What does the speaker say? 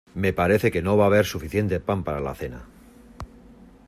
Me parece que no va a haber suficiente pan para la cena.